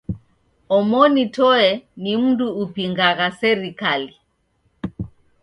Omoni toe ni mndu upingagha serikali.